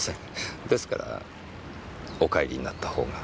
ですからお帰りになったほうが。